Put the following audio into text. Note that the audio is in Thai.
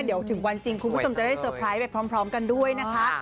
เดี๋ยวถึงวันจริงคุณผู้ชมจะได้เตอร์ไพรส์ไปพร้อมกันด้วยนะคะ